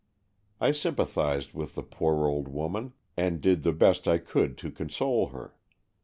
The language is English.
I sympathized with the poor old woman, and did the best I could to console her.